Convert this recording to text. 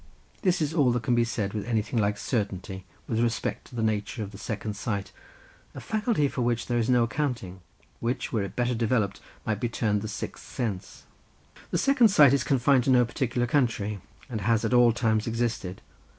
This is all that can be said with anything like certainty with respect to the nature of the second sight, a faculty for which there is no accounting, which, were it better developed, might be termed the sixth sense. The second sight is confined to no particular country, and has at all times existed.